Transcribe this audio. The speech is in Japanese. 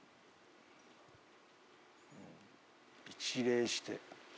一礼して。